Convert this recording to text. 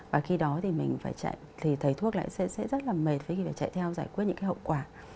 và khi đó thì mình phải chạy thì thầy thuốc lại sẽ rất là mệt phải phải chạy theo giải quyết những cái hậu quả